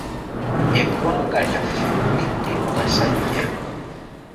Eggwanga lyaffe likulirwa basajja.